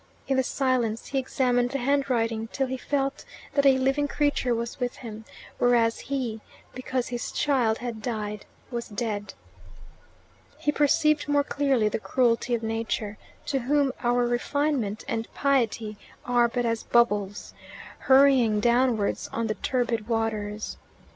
In the silence he examined the handwriting till he felt that a living creature was with him, whereas he, because his child had died, was dead. He perceived more clearly the cruelty of Nature, to whom our refinement and piety are but as bubbles, hurrying downwards on the turbid waters.